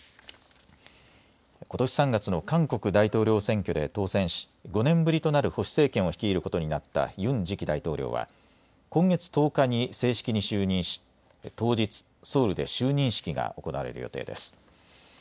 ことし３月の韓国大統領選挙で当選し５年ぶりとなる保守政権を率いることになったユン次期大統領は今月１０日に正式に就任し当日、ソウルで就任式が行われる予定です。